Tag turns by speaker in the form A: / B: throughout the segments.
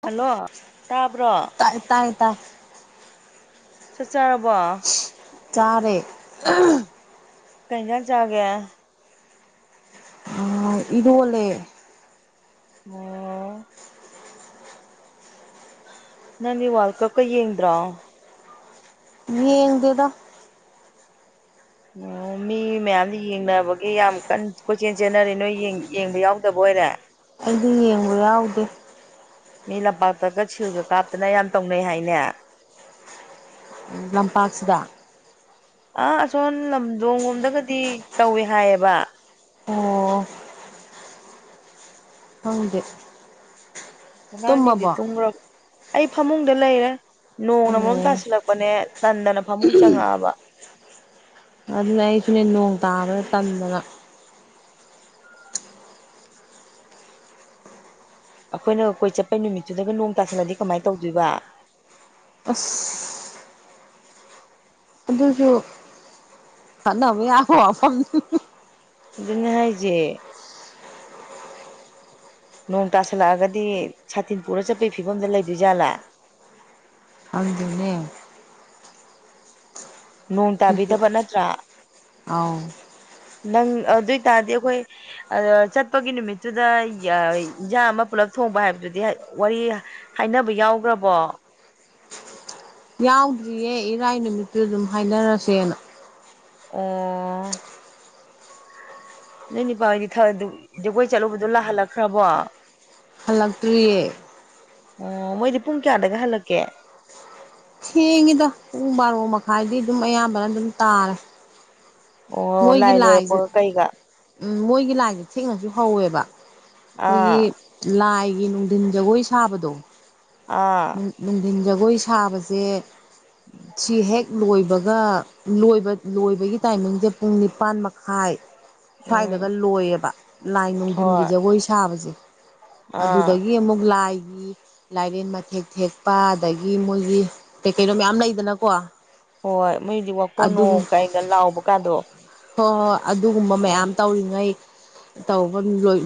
A: hello ꯇꯥꯕ꯭ꯔꯣ
B: ꯇꯥꯏ ꯇꯥꯏ
A: ꯆꯛ ꯆꯥꯔꯕꯣ
B: ꯆꯥꯔꯦ ꯑꯍꯝ
A: ꯀꯩ ꯌꯦꯟꯁꯥꯡ ꯆꯥꯒꯦ
B: ꯑ ꯏꯔꯣꯜꯂꯦ
A: ꯑꯣ ꯅꯪꯗꯤ ꯋꯥꯔꯜ ꯀꯞꯀ ꯌꯦꯡꯗ꯭ꯔꯣ
B: ꯌꯦꯡꯗꯦꯗ
A: ꯑꯣ ꯃꯤ ꯃꯌꯥꯝ ꯌꯦꯡꯅꯕꯒꯤ ꯌꯥꯝ ꯀꯟꯅ ꯀꯣꯏꯆꯦꯟ ꯆꯦꯟꯅꯔꯦ ꯅꯣꯏ ꯌꯦꯡꯕ ꯌꯥꯎꯗꯕ ꯑꯣꯏ ꯑꯣꯏꯔꯦ
B: ꯑꯩꯗꯤ ꯌꯦꯡꯕ ꯌꯥꯎꯗꯦ
A: ꯃꯤ ꯂꯝꯄꯥꯛꯇꯒ ꯁꯤꯜꯒ ꯀꯥꯞꯇꯅ ꯌꯥꯝ ꯇꯧꯅꯩ ꯍꯥꯏꯅꯦ
B: ꯎꯝ ꯂꯝꯄꯥꯛꯁꯤꯗ
A: ꯑꯥ ꯑꯁꯣꯟ ꯂꯝꯗꯣꯡ ꯂꯣꯝꯗꯒꯗꯤ ꯇꯧꯋꯦ ꯍꯥꯏꯌꯦꯕ
B: ꯑꯣ ꯈꯪꯗꯦ
A: ꯑꯉꯥꯡ ꯁꯤꯡꯗꯤ
B: ꯇꯨꯝꯃꯕꯣ ꯑꯣ
A: ꯇꯨꯝꯒꯔꯕꯣ ꯑꯩ ꯐꯃꯨꯡꯗ ꯂꯩꯔꯦ ꯅꯣꯡꯅ ꯃꯔꯣꯝ ꯇꯥꯁꯤꯜꯂꯛꯄꯅꯦ ꯇꯟꯗꯅ ꯐꯃꯨꯡ ꯆꯪꯉꯛꯑꯕ [inaudible]
B: ꯑꯗꯨꯅ ꯑꯩꯁꯨꯅꯦ ꯅꯣꯡ ꯇꯥꯕꯗ ꯇꯟꯗꯅ
A: ꯑꯩꯈꯣꯏꯅꯒ ꯀꯣꯏ ꯆꯠꯄꯥ ꯅꯨꯃꯤꯠꯇꯨꯗꯒ ꯅꯣꯡ ꯇꯥꯁꯤꯜꯂꯕꯗꯤ ꯀꯃꯥꯏꯅ ꯇꯧꯗꯣꯏꯕ
B: ꯑꯁ ꯑꯗꯨꯁꯨ ꯇꯠꯅꯕ ꯌꯥꯕ ꯋꯥꯐꯝꯅꯤ
A: ꯑꯗꯨꯅꯤ ꯍꯥꯏꯖꯦ ꯅꯣꯡ ꯇꯥꯁꯤꯜꯂꯛꯂꯒꯗꯤ ꯁꯥꯇꯤꯟ ꯄꯨꯔ ꯆꯠꯄꯒꯤ ꯐꯤꯕꯝꯗ ꯂꯩꯗꯣꯏꯖꯥꯠꯂꯥ
B: ꯈꯪꯗꯦꯅꯦ
A: ꯅꯣꯡ
B: ꯑꯗꯨꯁꯨ
A: ꯇꯥꯕꯤꯗꯕ ꯅꯠꯇ꯭ꯔꯥ
B: ꯑꯥꯎ
A: ꯅꯪ ꯑꯗꯨꯏ ꯇꯥꯔꯗꯤ ꯑꯈꯣꯏ ꯆꯠꯄꯒꯤ ꯅꯨꯃꯤꯠꯇꯨꯗ ꯏꯟꯖꯥꯡ ꯑꯃ ꯄꯨꯂꯞ ꯊꯣꯡꯕ ꯍꯥꯏꯕꯗꯨꯗꯤ ꯋꯥꯔꯤ ꯍꯥꯏꯅꯕ ꯌꯥꯎꯒꯔ꯭ꯕꯣ
B: ꯌꯥꯎꯗ꯭ꯔꯤꯌꯦ ꯏꯔꯥꯏ ꯅꯨꯃꯤꯠꯇꯨꯗ ꯑꯗꯨꯝ ꯍꯥꯏꯅꯔꯁꯦꯅ
A: ꯑꯣ ꯅꯣꯏ ꯅꯨꯄꯥ ꯍꯣꯏꯗꯤ ꯖꯒꯣꯏ ꯆꯠꯂꯨꯕꯗꯣ ꯂꯥ ꯍꯜꯂꯛꯈ꯭ꯔꯕꯣ
B: ꯍꯜꯂꯛꯇ꯭ꯔꯤꯌꯦ
A: ꯑꯣ ꯃꯣꯏꯗꯤ ꯄꯨꯡ ꯀꯌꯥꯗꯒ ꯍꯜꯂꯛꯀꯦ
B: ꯊꯦꯡꯉꯤꯗ ꯄꯨꯡ ꯕꯥꯔꯣ ꯃꯈꯥꯏꯗꯤ ꯑꯗꯨꯝ ꯑꯌꯥꯝꯕꯅ ꯑꯗꯨꯝ ꯇꯥꯔꯦ
A: ꯑꯣ
B: ꯃꯣꯏꯒꯤ
A: ꯂꯥꯏ
B: ꯂꯥꯏꯁꯤ
A: ꯂꯣꯏꯔꯛꯄꯒ ꯀꯩꯒ
B: ꯃꯣꯏꯒꯤ ꯂꯥꯏꯗꯣ ꯊꯦꯡꯅꯁꯨ ꯍꯧꯋꯦꯕ ꯑꯈꯣꯏꯒꯤ
A: ꯑꯥ
B: ꯂꯥꯏ ꯒꯤ ꯅꯨꯡꯗꯤꯟ ꯖꯒꯣꯏ ꯁꯥꯕꯗꯣ
A: ꯑꯥ
B: ꯅꯨꯡꯗꯤꯟ ꯖꯒꯣꯏ ꯁꯥꯕꯁꯦ ꯁꯤ ꯍꯦꯛ ꯂꯣꯏꯕꯒ ꯂꯣꯏꯕꯒꯤ ꯇꯥꯏꯃꯤꯡꯁꯦ ꯄꯨꯡ ꯅꯤꯄꯥꯟ ꯃꯈꯥꯏ ꯁ꯭ꯋꯥꯏꯗꯒ
A: ꯎꯝ
B: ꯂꯣꯏꯌꯦꯕ ꯂꯥꯏ ꯅꯨꯡꯗꯤꯟꯒꯤ
A: ꯍꯣꯏ
B: ꯖꯒꯣꯏ ꯁꯥꯕꯁꯦ
A: ꯑꯥ
B: ꯑꯗꯨꯗꯒꯤ ꯑꯃꯨꯛ ꯂꯥꯏ ꯂꯥꯏꯔꯦꯟ ꯃꯊꯦꯛ ꯊꯦꯛꯄ ꯑꯗꯒꯤ ꯃꯣꯏꯒꯤ ꯀꯩꯀꯩꯅꯣ ꯃꯌꯥꯝ ꯂꯩꯗꯅꯀꯣ
A: ꯍꯣꯏ ꯃꯣꯏꯗꯤ
B: ꯑꯗꯨ
A: ꯋꯥꯀꯣꯟꯅꯣ ꯀꯥꯏꯅ ꯂꯥꯎꯕꯀꯥꯗꯣ
B: ꯍꯣꯏ ꯍꯣꯏ ꯑꯗꯨꯒꯨꯝꯕ ꯃꯌꯥꯝ ꯇꯧꯔꯤꯉꯩ ꯇꯧꯕ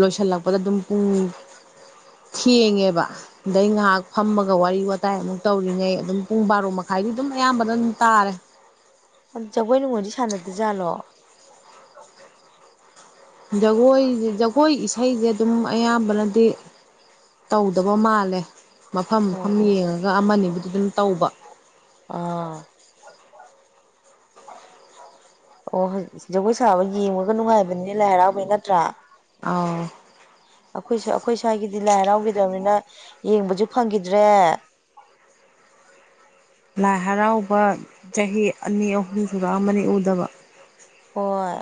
B: ꯂꯣꯏꯁꯤꯜꯂꯛꯄꯗ ꯑꯗꯨꯝ ꯄꯨꯡ ꯊꯦꯡꯉꯦꯕ ꯑꯗꯩ ꯉꯍꯥꯛ ꯐꯝꯃꯒ ꯋꯥꯔꯤ ꯋꯥꯇꯥꯏ ꯑꯃꯨꯛ ꯇꯧꯔꯤꯉꯩ ꯑꯗꯨꯝ ꯄꯨꯡ ꯕꯥꯔꯣ ꯃꯈꯥꯏꯗꯤ ꯑꯗꯨꯝ ꯑꯌꯥꯝꯕꯅ ꯑꯗꯨꯝ ꯇꯥꯔꯦ
A: ꯖꯒꯣꯏ ꯅꯨꯡꯒꯣꯏꯗꯤ ꯁꯥꯟꯅꯗꯖꯥꯠꯂꯣ
B: ꯖꯒꯣꯏ ꯖꯒꯣꯏ ꯏꯁꯩꯁꯦ ꯑꯗꯨꯝ ꯑꯌꯥꯝꯕꯅꯗꯤ ꯇꯧꯗꯕ ꯃꯥꯜꯂꯦ ꯃꯐꯝ
A: ꯑꯣ
B: ꯃꯐꯝ
A: ꯑꯣ
B: ꯌꯦꯡꯉꯒ ꯑꯃꯅꯤꯕꯨꯗꯤ ꯑꯗꯨꯝ ꯇꯧꯕ
A: ꯑꯥ ꯑꯣ ꯖꯒꯣꯏ ꯁꯥꯕ ꯌꯦꯡꯕꯒ ꯅꯨꯡꯉꯥꯏꯕꯅꯤꯅꯦ ꯂꯥꯏ ꯍꯔꯥꯎꯕꯩ ꯅꯠꯇ꯭ꯔꯥ
B: ꯑꯥꯎ
A: ꯑꯈꯣꯏ ꯁ꯭ꯋꯥꯏꯒꯤꯗꯤ ꯂꯥꯏ ꯍꯔꯥꯎꯈꯤꯗꯕꯅꯤꯅ ꯌꯦꯡꯕꯁꯨ ꯐꯪꯈꯤꯗ꯭ꯔꯦ
B: ꯂꯥꯏ ꯍꯔꯥꯎꯕ ꯆꯍꯤ ꯑꯅꯤ ꯑꯍꯨꯝ ꯁꯨꯔꯛꯑꯃꯃꯅꯤ ꯎꯗꯕ
A: ꯍꯣꯏ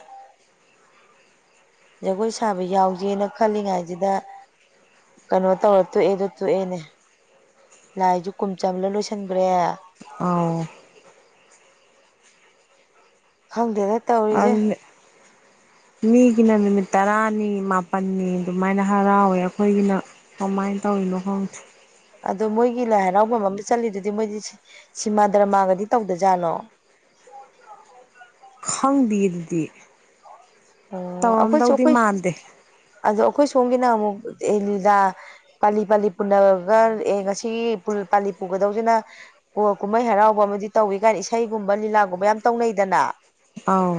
A: ꯖꯒꯣꯏ ꯁꯥꯕ ꯌꯥꯎꯖꯦꯅ ꯈꯜꯂꯤꯉꯥꯏꯁꯤꯗ ꯀꯩꯅꯣ ꯇꯧꯔ ꯇꯣꯛꯑꯦꯗꯣ ꯇꯣꯛꯑꯦꯅꯦ ꯂꯥꯏꯁꯨ ꯀꯨꯝ ꯆꯜꯕꯗ ꯂꯣꯏꯁꯟꯒꯔ꯭ꯦ
B: ꯑꯥꯎ
A: ꯈꯪꯗꯦꯗ ꯇꯧꯔꯤꯁꯦ
B: ꯑꯗꯨꯅꯦ
A: [inaudible]
B: ꯃꯤꯒꯤꯅ ꯅꯨꯃꯤꯠ ꯇꯔꯥꯅꯤ ꯃꯥꯄꯟꯅꯤ ꯑꯗꯨꯃꯥꯏꯅ ꯍꯔꯥꯎꯋꯦ ꯑꯈꯣꯏꯒꯤꯅ ꯀꯃꯥꯏꯅ ꯇꯧ ꯇꯧꯔꯤꯅꯣ ꯈꯪꯗꯦ
A: ꯑꯗꯣ ꯃꯣꯏꯒꯤ ꯂꯥꯏ ꯍꯔꯥꯎꯐꯝ ꯑꯃ ꯆꯠꯂꯤꯗꯨꯗꯤ ꯃꯣꯏꯗꯤ ꯁꯤꯃꯥ ꯗꯔꯃꯥꯒꯗꯤ ꯇꯧꯗꯖꯥꯠꯂꯣ [unintelligible]
B: ꯈꯪꯗꯤꯌꯦ ꯑꯗꯨꯗꯤ
A: ꯑꯣ ꯑꯈꯣꯏꯁꯨ
B: ꯇꯧꯔꯝꯗꯧꯗꯤ
A: ꯑꯈꯣꯏ
B: ꯃꯥꯟꯗꯦ
A: ꯑꯗꯣ ꯑꯈꯣꯏ ꯁꯣꯝꯒꯤꯅ ꯑꯃꯨꯛ ꯑꯦ ꯂꯤꯂꯥ ꯄꯥꯂꯤ ꯄꯥꯂꯤ ꯄꯨꯅꯔꯒ ꯑꯦ ꯉꯁꯤ ꯄꯨꯜ ꯄꯥꯂꯤ ꯄꯨꯒꯗꯧꯁꯤꯅ ꯀꯣ ꯀꯨꯝꯍꯩ ꯍꯔꯥꯎꯕ ꯇꯧꯏ ꯀꯥꯏꯅ ꯏꯁꯩꯒꯨꯝꯕ ꯂꯤꯂꯥꯒꯨꯝꯕ ꯌꯥꯝ ꯇꯧꯅꯩꯗꯅ
B: ꯑꯥꯎ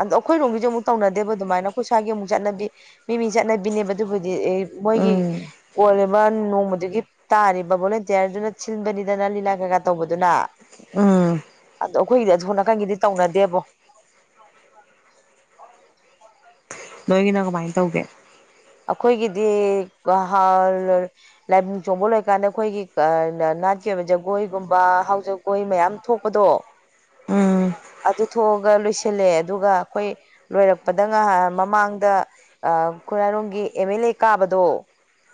A: ꯑꯗꯣ ꯑꯈꯣꯏꯔꯣꯝꯒꯤꯖꯨ ꯑꯃꯨꯛ ꯇꯧꯅꯗꯦꯕ ꯑꯗꯨꯃꯥꯏꯅ ꯑꯈꯣꯏ ꯁ꯭ꯋꯥꯢꯒꯤ ꯑꯃꯨꯛ ꯆꯠꯅꯕꯤ ꯃꯤ ꯃꯤ ꯆꯠꯅꯕꯤꯅꯦꯕ ꯑꯗꯨꯕꯨ ꯗꯤ ꯑꯦ ꯃꯣꯏꯒꯤ
B: ꯎꯝ
A: ꯀꯣꯜꯂꯤꯕ ꯅꯣꯡ ꯃꯗꯨꯒꯤ ꯇꯥꯔꯤꯕ ꯕꯣꯂꯨꯟꯇꯤꯌꯥꯔ ꯗꯨꯅ ꯁꯤꯟꯕꯅꯤꯗꯅ ꯂꯤꯂꯥ ꯀꯩꯀꯥ ꯇꯧꯕ ꯗꯨꯅꯥ
B: ꯎꯝ
A: ꯑꯗꯣ ꯑꯈꯣꯏꯒꯤꯗꯤ ꯑꯁꯣꯟ ꯅꯥꯀꯟꯒꯤꯗꯤ ꯇꯧꯅꯗꯦꯕꯣ [inaudible]
B: ꯅꯣꯏꯒꯤꯅ ꯀꯃꯥꯏꯟ ꯇꯧꯒꯦ
A: ꯑꯈꯣꯏꯒꯤꯗꯤ ꯀ꯭ꯂꯥꯍꯥꯜꯂ ꯂꯥꯏꯕꯨꯡ ꯆꯣꯡꯕ ꯂꯣꯏꯀꯥꯟꯗ ꯑꯈꯣꯏꯒꯤ ꯀ ꯅ ꯅꯥꯠ ꯀꯩꯕ ꯖꯒꯣꯏꯒꯨꯝꯕ ꯍꯥꯎ ꯖꯒꯣꯏ ꯃꯌꯥꯝ ꯊꯣꯛꯄꯗꯣ
B: ꯎꯝ
A: ꯑꯗꯨ ꯊꯣꯛꯑꯒ ꯂꯣꯏꯁꯤꯜꯂꯦ ꯑꯗꯨꯒ ꯑꯈꯣꯏ ꯂꯣꯏꯔꯛꯄꯗ ꯉꯥꯏꯍ ꯃꯃꯥꯡꯗ ꯑ ꯈꯨꯔꯥꯏꯔꯣꯝꯒꯤ ꯑꯦꯝ ꯑꯦꯜ ꯑꯦ ꯀꯥꯕꯗꯣ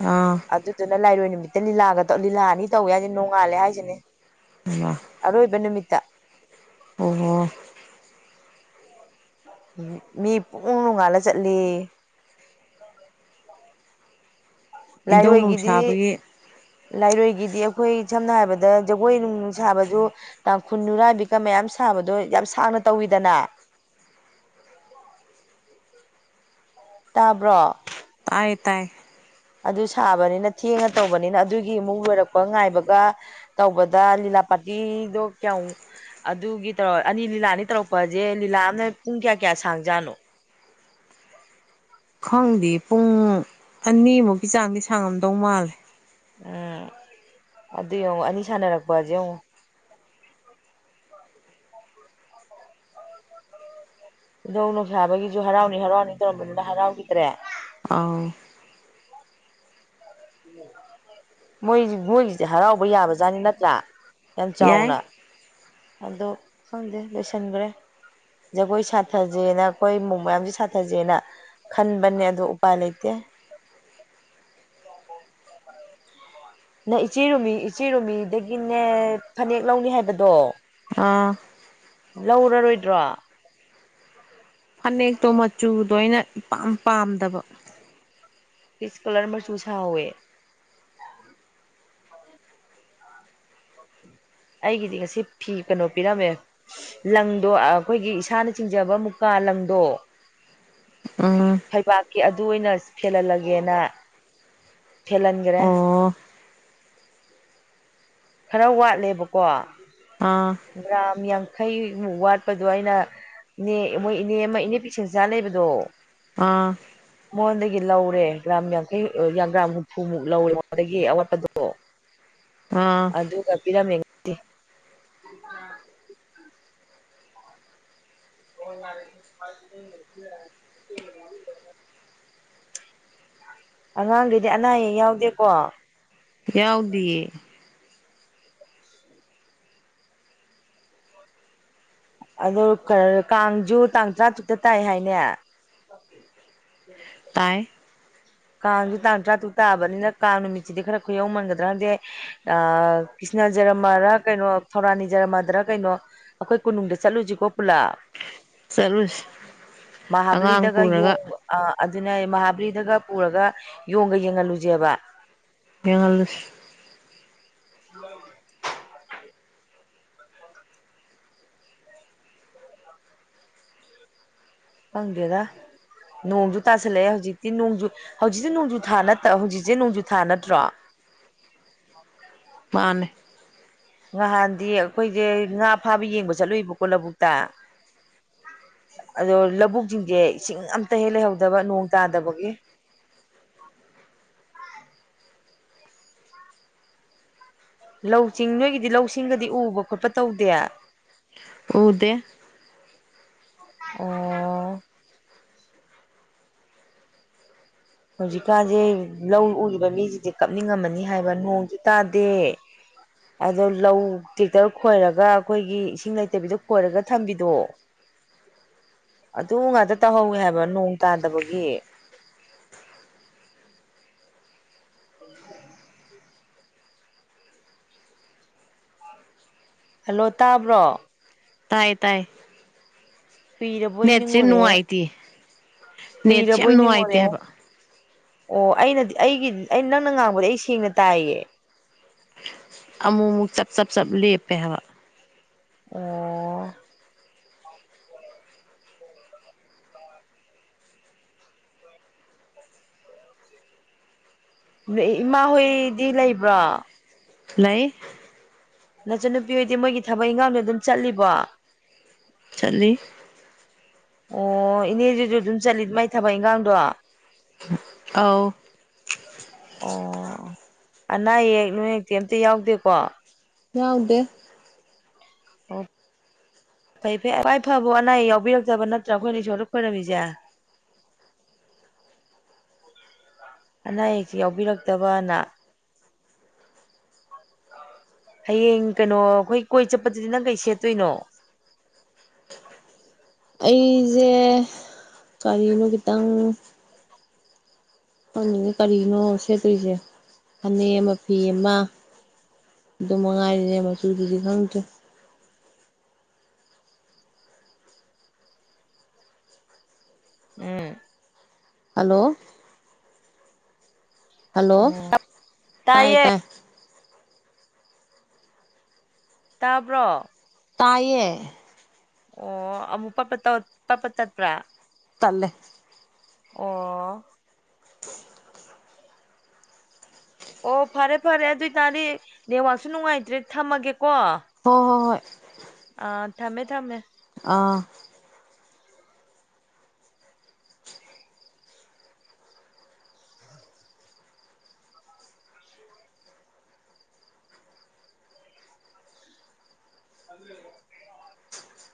B: ꯑꯥ
A: ꯑꯗꯨꯗꯨꯅ ꯂꯥꯏꯔꯣꯏ ꯅꯨꯃꯤꯠꯇ ꯂꯤꯂꯥꯒ ꯇꯧ ꯂꯤꯂꯥ ꯑꯅꯤ ꯇꯧꯋꯦ ꯍꯥꯏꯖꯦ ꯅꯣꯡꯉꯥꯜꯂꯦ ꯍꯥꯏꯖꯤꯅꯤ
B: ꯍꯩꯃꯥ
A: ꯑꯔꯣꯏꯕ ꯅꯨꯃꯤꯠꯇ
B: ꯑꯣ
A: ꯃꯤ ꯄꯨꯡꯉꯧ ꯅꯨꯉꯥꯜꯂ ꯆꯠꯂꯦꯌꯦ
B: ꯏꯙꯧ
A: ꯂꯥꯏꯔꯣꯏꯒꯤꯗꯤ
B: ꯅꯨꯡꯁꯥꯕꯒꯤ
A: ꯂꯥꯏꯔꯣꯏ ꯒꯤꯗꯤ ꯑꯈꯣꯏ ꯁꯝꯅ ꯍꯥꯏꯕꯗ ꯖꯒꯣꯏ ꯅꯨꯡꯅꯨꯡ ꯁꯥꯕꯖꯨ ꯇꯥꯡꯈꯨꯟ ꯅꯨꯨꯔꯥꯕꯤꯀ ꯃꯌꯥꯝ ꯁꯥꯕꯗꯣ ꯌꯥ ꯌꯥꯝ ꯁꯥꯡꯅ ꯇꯧꯋꯤꯗꯅꯥ ꯇꯥꯕ꯭ꯔꯣ
B: ꯇꯥꯢꯌꯦ ꯇꯥꯏ
A: ꯑꯗꯨ ꯁꯥꯕꯅꯤꯅ ꯊꯦꯡꯉ ꯇꯧꯕꯅꯤꯅ ꯑꯗꯨꯒꯤ ꯑꯃꯨꯛ ꯂꯣꯏꯔꯛꯄ ꯉꯥꯏꯕꯒ ꯇꯧꯕꯗ ꯂꯤꯂꯥ ꯂꯥ ꯄꯥꯔꯇꯤꯗꯣ ꯀꯌꯥꯎ ꯑꯗꯨꯒꯤ ꯇꯧꯔ ꯑꯅꯤ ꯂꯤꯂꯥ ꯑꯅꯤ ꯇꯧꯔꯛꯄꯖꯦ ꯂꯤꯂꯥ ꯑꯃꯅ ꯄꯨꯡ ꯀꯌꯥ ꯀꯌꯥ ꯁꯥꯡꯖꯥꯅꯣ
B: ꯈꯪꯗꯦ ꯄꯨꯡ ꯑꯅꯤꯃꯨꯛꯀꯤ ꯆꯥꯡꯗꯤ ꯁꯥꯡꯉꯝꯗꯧ ꯃꯥꯜꯂꯦ
A: ꯎꯝ ꯑꯗꯨ ꯌꯦꯡꯉꯣ ꯑꯅꯤ ꯁꯥꯟꯅꯔꯛꯄꯖꯦ ꯌꯦꯡꯉꯣ ꯏꯙꯧ ꯅꯣꯡꯁꯥꯕꯒꯤꯖꯨ ꯍꯔꯥꯎꯅꯤ ꯍꯔꯥꯎꯅꯤ ꯇꯧꯔꯝꯕꯗꯨꯅ ꯍꯔꯥꯎꯒꯤꯗ꯭ꯔꯦ
B: ꯑꯥꯎ
A: ꯃꯣꯏꯖꯤ ꯃꯣꯏꯒꯤꯖꯤꯗꯤ ꯍꯔꯥꯎꯕ ꯌꯥꯕ ꯖꯥꯠꯅꯤ ꯅꯠꯇ꯭ꯔꯥ ꯌꯥꯝ
B: ꯌꯥꯏ
A: ꯆꯥꯎꯅ ꯑꯗꯣ ꯈꯪꯗꯦ ꯂꯣꯏꯁꯟꯒ꯭ꯔꯦ ꯖꯒꯣꯏ ꯁꯥꯊꯖꯦꯅ ꯑꯈꯣꯏ ꯃꯨ ꯃꯌꯥꯝꯖꯦ ꯁꯥꯊꯖꯦꯅ ꯈꯟꯕꯅꯦ ꯑꯗꯨ ꯎꯄꯥꯏ ꯂꯩꯇꯦ ꯅ ꯏꯆꯦ ꯔꯨꯃꯤ ꯏꯆꯦ ꯔꯨꯃꯤꯗꯒꯤꯅꯦ ꯐꯅꯦꯛ ꯂꯧꯅꯤ ꯍꯥꯏꯕꯗꯣ
B: ꯑꯥ
A: ꯂꯧꯔꯔꯣꯏꯗ꯭ꯔꯣ
B: ꯐꯅꯦꯛꯇꯣ ꯃꯆꯨꯗꯣ ꯑꯩꯅ ꯏꯄꯥꯝ ꯄꯥꯝꯗꯕ
A: ꯐꯤꯁ ꯀꯂꯔ ꯃꯆꯨ ꯁꯥꯍꯧꯋꯦ ꯑꯩꯒꯤꯗꯤ ꯉꯁꯤ ꯐꯤ ꯀꯩꯅꯣ ꯄꯤꯔꯝꯃꯦ ꯂꯪꯗꯣ ꯑ ꯑꯈꯣꯏꯒꯤ ꯏꯁꯥꯅ ꯆꯤꯡꯖꯕ ꯃꯨꯛꯀꯥ ꯀꯥ ꯂꯪꯗꯣ
B: ꯎꯝ
A: ꯀꯤ ꯑꯗꯨ ꯑꯣꯏꯅ ꯐꯦꯜꯍꯜꯂꯒꯦꯅ ꯐꯦꯜꯍꯟꯒꯔꯦ
B: ꯑꯣ
A: ꯈꯔ ꯋꯥꯠꯂꯦꯕꯀꯣ
B: ꯑꯥ
A: ꯒ꯭ꯔꯥꯝ ꯌꯥꯡ ꯈꯩꯃꯨꯛ ꯋꯥꯠꯄꯗꯣ ꯑꯩꯅ ꯏꯅꯦ ꯃꯣꯏ ꯏꯅꯦ ꯑꯃ ꯏꯅꯦ ꯄꯤꯁꯪꯆꯥ ꯂꯩꯕꯗꯣ
B: ꯑꯥ
A: ꯃꯥꯉꯣꯟꯗꯒꯤ ꯂꯧꯔꯦ ꯒ꯭ꯔꯥꯝ ꯌꯥꯡꯈꯩ ꯑ ꯒ꯭ꯔꯥꯝ ꯍꯨꯝꯐꯨꯃꯨꯛ ꯂꯧꯋꯦ ꯃꯥꯉꯣꯟꯗꯒꯤ ꯑꯋꯥꯠꯄꯗꯣ
B: ꯑꯥ
A: ꯑꯗꯨꯒ ꯄꯤꯔꯝꯃꯦ [unintelligible] [unintelligible] ꯑꯉꯥꯡꯒꯩꯗꯤ ꯑꯅꯥ ꯑꯌꯦꯛ ꯌꯥꯎꯗꯦꯀꯣ
B: ꯌꯥꯎꯗꯤꯌꯦ
A: ꯑꯗꯨ ꯀꯥꯡꯖꯨ ꯇꯥꯡ ꯇꯔꯥꯇꯔꯨꯛꯇ ꯇꯥꯏ ꯍꯥꯏꯅꯦ
B: ꯇꯥꯏ
A: ꯀꯥꯡꯁꯨ ꯇꯥꯡ ꯇꯔꯥꯇꯨꯛ ꯇꯥꯕꯅꯤꯅ ꯀꯥꯡ ꯅꯨꯃꯤꯠꯁꯤꯗꯤ ꯈꯔ ꯈꯨꯌꯧꯃꯟꯒꯗ꯭ꯔꯥ ꯈꯡꯗꯦ ꯑꯥ ꯖꯔꯃꯥꯔꯥ ꯀꯩꯅꯣ ꯊꯧꯔꯥ ꯅꯤꯖꯔꯃꯥꯗꯔ ꯀꯩꯅꯣ ꯑꯩꯈꯣꯏ ꯀꯣꯅꯨꯡꯗ ꯆꯠꯂꯨꯁꯤꯀꯣ ꯄꯨꯂꯞ
B: ꯆꯠꯂꯨꯁꯤ ꯑꯉꯥꯡ
A: ꯃꯍꯥꯕꯂꯤꯗꯒ
B: ꯄꯨꯔꯒ
A: ꯌꯣꯡ ꯑ ꯑꯗꯨꯅ ꯃꯍꯥꯕꯂꯤꯗꯒ ꯄꯨꯔꯒ ꯌꯣꯡꯒ ꯌꯦꯡꯍꯜꯂꯨꯁꯦꯕ
B: ꯌꯦꯡꯍꯜꯂꯨꯁ
A: [unintelligible] ꯈꯪꯗꯦꯗ ꯅꯣꯡꯖꯨ ꯇꯥꯁꯜꯂꯛꯑꯦ ꯍꯧꯖꯤꯛꯇꯤ ꯅꯣꯡꯖꯨ ꯍꯧꯖꯤꯛꯁꯨ ꯅꯣꯡꯖꯨ ꯊꯥꯠꯇ ꯍꯧꯖꯤꯛꯁꯦ ꯅꯣꯡꯖꯨ ꯊꯥ ꯅꯠꯇ꯭ꯔꯣ [unintelligible]
B: ꯃꯥꯅꯤ
A: ꯉꯍꯥꯟꯗꯤ ꯑꯩꯈꯣꯏꯁꯦ ꯉꯥ ꯐꯥꯕ ꯌꯦꯡꯕ ꯆꯠꯂꯨꯏꯕꯀꯣ ꯂꯧꯕꯨꯛꯇ ꯑꯗꯣ ꯂꯧꯕꯨꯛꯁꯤꯡꯁꯦ ꯏꯁꯤꯡ ꯑꯝꯇ ꯍꯦꯛ ꯂꯩꯍꯧꯗꯕ ꯅꯣꯡ ꯇꯥꯗꯕꯒꯤ [unintelligible] ꯂꯧꯁꯤꯡ ꯅꯣꯏꯒꯤꯗꯤ ꯂꯧꯁꯤꯡꯒꯗꯤ ꯎꯕ ꯈꯣꯠꯄ ꯇꯧꯗꯦ
B: ꯎꯗꯦ
A: ꯑꯣ ꯍꯧꯖꯤꯛꯀꯥꯟꯁꯦ ꯂꯧ ꯎꯔꯤꯕ ꯃꯤꯁꯤꯡꯁꯦ ꯀꯞꯅꯤꯡꯉꯝꯃꯅꯤ ꯍꯥꯏꯕ ꯅꯣꯡꯁꯨ ꯇꯥꯗꯦ ꯑꯗꯣ ꯂꯧ ꯇ꯭ꯔꯦꯛꯇꯔ ꯈꯣꯏꯔꯒ ꯑꯩꯈꯣꯏꯒꯤ ꯏꯁꯤꯡ ꯂꯩꯇꯕꯤꯗꯣ ꯈꯣꯏꯔꯒ ꯊꯝꯕꯤꯗꯣ ꯑꯗꯨ ꯉꯥꯛꯇ ꯇꯧꯍꯧꯋꯤ ꯍꯥꯏꯕ ꯅꯣꯡ ꯇꯥꯗꯕꯒꯤ [unintelligible] ꯍꯜꯂꯣ ꯇꯥꯕ꯭ꯔꯣ
B: ꯇꯥꯏ ꯇꯥꯏ
A: ꯎꯏꯔꯕꯣꯏ
B: ꯅꯦꯠꯁꯦ
A: ꯅꯤꯡꯉꯨꯔꯦ
B: ꯅꯨꯡꯉꯥꯏꯇꯦ ꯅꯦꯠꯁꯦ ꯌꯥꯝ
A: ꯎꯏꯔꯕꯣꯏ ꯅꯤꯡꯉꯨꯔꯦ
B: ꯅꯨꯡꯉꯥꯏꯇꯦꯕ
A: ꯑꯣ ꯑꯩꯅꯗꯤ ꯑꯩꯒꯤ ꯑ ꯅꯪꯅ ꯉꯥꯡꯕꯗꯤ ꯑꯩ ꯁꯦꯡꯅ ꯇꯥꯏꯌꯦ
B: ꯑꯃꯨꯛ ꯑꯃꯨꯛ ꯆꯞ ꯆꯞ ꯆꯞ ꯂꯦꯞꯄꯦ ꯍꯥꯏꯕ
A: ꯑꯣ ꯏꯃꯥ ꯍꯣꯏꯗꯤ ꯂꯩꯕ꯭ꯔꯣ
B: ꯂꯩ
A: ꯅꯆꯟ ꯅꯨꯄꯤ ꯍꯣꯏꯗꯤ ꯃꯣꯏꯒꯤ ꯊꯕꯛ ꯏꯪꯈꯥꯡꯗꯣ ꯑꯗꯨꯝ ꯆꯠꯂꯤꯕꯣ
B: ꯆꯠꯂꯤ
A: ꯑꯣ ꯏꯅꯦꯁꯤꯁꯨ ꯑꯗꯨꯝ ꯆꯠꯂꯤ ꯃꯥꯏ ꯊꯕꯛ ꯏꯟꯈꯥꯡꯗꯣ
B: ꯑꯧ
A: ꯑꯣ ꯑꯅꯥ ꯑꯌꯦꯛ ꯅꯣꯏꯀꯦꯝꯇ ꯌꯥꯎꯗꯦꯀꯣ
B: ꯌꯥꯎꯗꯦ
A: ꯑꯣ ꯐꯩ ꯐꯩ ꯈꯋꯥꯏ ꯐꯕꯨ ꯑꯅꯥ ꯑꯌꯦꯛ ꯌꯥꯎꯕꯤꯔꯛꯇꯕ ꯅꯠꯇ꯭ꯔꯥ ꯑꯩꯈꯣꯏꯅ ꯏꯁꯣꯔꯗ ꯈꯣꯏꯔꯝꯃꯤꯁꯦ [inaudible] ꯑꯅꯥ ꯑꯌꯦꯛꯁ ꯌꯥꯎꯕꯤꯔꯛꯇꯕꯅ ꯍꯌꯦꯡ ꯀꯩꯅꯣ ꯑꯩꯈꯣꯏ ꯀꯣꯏ ꯆꯠꯄꯗꯨꯗꯤ ꯅꯪ ꯀꯩ ꯁꯦꯠꯇꯣꯏꯅꯣ [unintelligible]
B: ꯑꯩꯖꯦ ꯀꯥꯔꯤꯅꯣ ꯈꯤꯇꯪ ꯐꯝꯃꯤꯅꯦ ꯀꯔꯤꯅꯣ ꯁꯦꯠꯇꯔꯤꯁꯦ ꯐꯅꯦꯛ ꯑꯃ ꯐꯤ ꯑꯃ ꯑꯗꯨ ꯃꯉꯥꯏꯔꯤꯅꯦ ꯃꯆꯨꯗꯨꯗꯤ ꯈꯪꯗꯔꯦ
A: ꯎꯝ
B: ꯍꯂꯣ ꯍꯜꯂꯣ
A: ꯑꯣ
B: ꯇꯥꯏ
A: ꯇꯥꯏꯌꯦ
B: ꯇꯥꯏ
A: ꯇꯥꯕ꯭ꯔꯣ
B: ꯇꯥꯏꯌꯦ
A: ꯑꯣ ꯑꯃꯨꯛ ꯄꯠꯄꯠ ꯄꯠꯄꯠ ꯇꯠꯄ꯭ꯔꯥ
B: ꯇꯠꯂꯦ
A: ꯑꯣ
B: [inaudible]
A: [inaudible] ꯑꯣ ꯐꯔꯦ ꯐꯔꯦ ꯑꯗꯨꯏꯇꯥꯔꯗꯤ ꯅꯦꯋꯥꯛꯁꯨ ꯅꯨꯡꯉꯥꯏꯇ꯭ꯔꯦ ꯊꯝꯃꯒꯦ ꯀꯣ
B: ꯍꯣ ꯍꯣ ꯍꯣꯏ
A: ꯑꯥ ꯊꯝꯃꯦ ꯊꯝꯃꯦ
B: ꯑꯥ
A: [unintelligible]